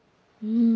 うん。